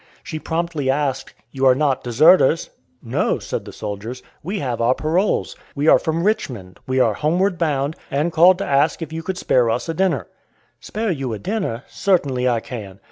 She promptly asked, "You are not deserters?" "No," said the soldiers, "we have our paroles. We are from Richmond; we are homeward bound, and called to ask if you could spare us a dinner?" "Spare you a dinner? certainly I can.